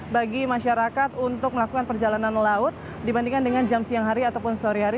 bagi masyarakat untuk melakukan perjalanan laut dibandingkan dengan jam siang hari ataupun sore hari